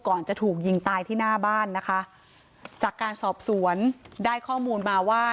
จะถูกยิงตายที่หน้าบ้านนะคะจากการสอบสวนได้ข้อมูลมาว่า